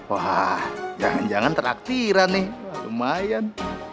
wah jangan jangan teraktira nih lumayan